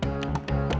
neneng udah masak